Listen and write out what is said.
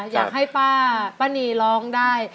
อยากให้ป้าป้านีร้องได้